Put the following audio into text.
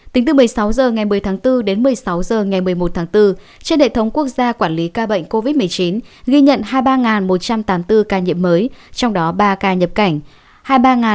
tính từ một mươi sáu h ngày một mươi tháng bốn đến một mươi sáu h ngày một mươi một tháng bốn trên hệ thống quốc gia quản lý ca bệnh covid một mươi chín ghi nhận hai mươi ba một trăm tám mươi bốn ca nhiễm mới trong đó ba ca nhập cảnh